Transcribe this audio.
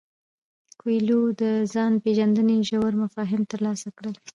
کویلیو د ځان پیژندنې ژور مفاهیم ترلاسه کړل.